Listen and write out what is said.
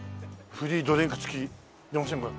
フリードリンク付き４５００円。